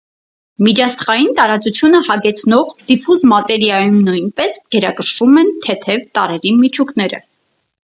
Միջաստղային տարածությունը հագեցնող դիֆուզ մատերիայում նույնպես գերակշռում են թեթև տարրերի միջուկները։